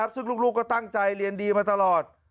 ซึ่งลูกก็ตั้งใจเรียนดีมาตลอด